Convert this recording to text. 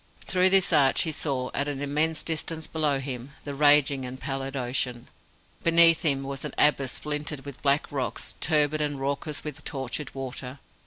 Through this arch he saw, at an immense distance below him, the raging and pallid ocean. Beneath him was an abyss splintered with black rocks, turbid and raucous with tortured water.